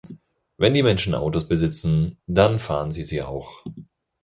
Wenn die Menschen Autos besitzen, dann fahren sie sie auch.